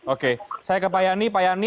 oke saya ke pak yani pak yani